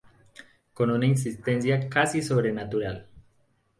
Con una insistencia casi sobrenatural.